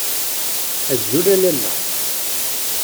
Azul a lalla.